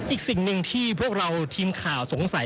อีกสิ่งหนึ่งที่พวกเราทีมข่าวสงสัย